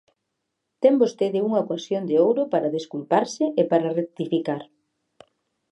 Ten vostede unha ocasión de ouro para desculparse e para rectificar.